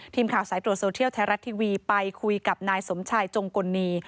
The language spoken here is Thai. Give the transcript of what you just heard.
ทีมข่าวสายตรวจโซเทียลไทยรัฐทีวีไปคุยกับนายสมชายจงกลนี